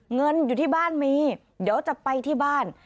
เงินอยู่ที่บ้านมีเดี๋ยวจะไปที่บ้าน